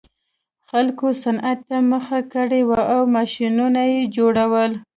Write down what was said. خلکو صنعت ته مخه کړې وه او ماشینونه یې جوړول